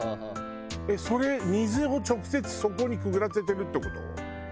それ水を直接そこにくぐらせてるって事？